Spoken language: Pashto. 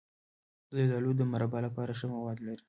زردالو د مربا لپاره ښه مواد لري.